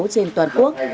trên toàn quốc